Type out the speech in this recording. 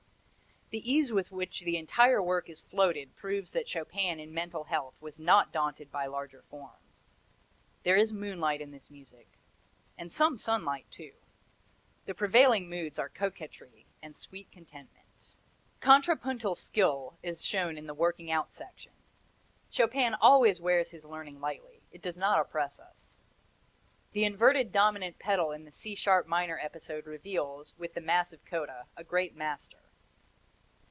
The ease with which the entire work is floated proves that Chopin in mental health was not daunted by larger forms. There is moonlight in this music, and some sunlight, too. The prevailing moods are coquetry and sweet contentment. Contrapuntal skill is shown in the working out section. Chopin always wears his learning lightly; it does not oppress us. The inverted dominant pedal in the C sharp minor episode reveals, with the massive coda, a great master.